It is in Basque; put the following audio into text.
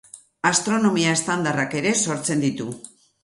Astronomia estandarrak ere sortzen ditu.